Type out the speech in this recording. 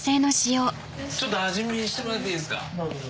ちょっと味見してもらっていいですか？